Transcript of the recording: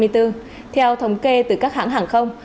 theo thống kê từ các hãng hàng không